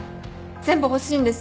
全部欲しいんです。